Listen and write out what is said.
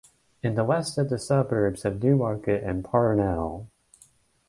In the west is the suburbs of Newmarket and Parnell.